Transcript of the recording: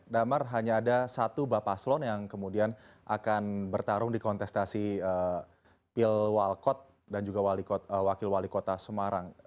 damar hanya ada satu bapak slon yang kemudian akan bertarung di kontestasi pil walkot dan juga wakil wali kota semarang